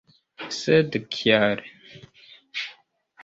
Sed kial?